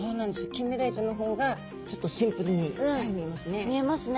キンメダイちゃんの方がちょっとシンプルにさえ見えますね。